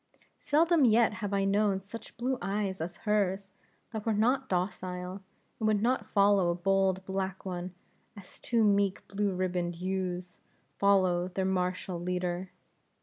Seldom yet have I known such blue eyes as hers, that were not docile, and would not follow a bold black one, as two meek blue ribboned ewes, follow their martial leader.